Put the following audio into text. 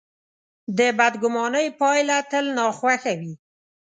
د بدګمانۍ پایله تل ناخوښه وي.